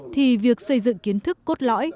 thì việc xây dựng kiến thức cốt lõi